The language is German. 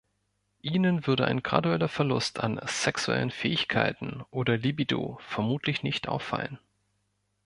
Ihnen würde ein gradueller Verlust an sexuellen Fähigkeiten oder Libido vermutlich nicht auffallen.